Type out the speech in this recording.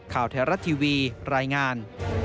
ข่าวไทยรัฐทีวีรายงาน